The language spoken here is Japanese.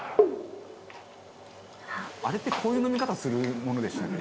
「あれってこういう飲み方するものでしたっけ？」